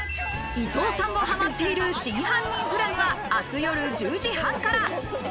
伊藤さんもハマっている『真犯人フラグ』は明日夜１０時半から。